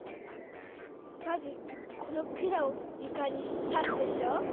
まずこの管をゆかにさすでしょ。